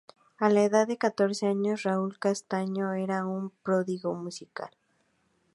A la edad de catorce años, Raúl Castaño era un prodigio musical.